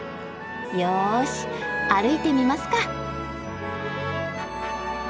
よし歩いてみますか。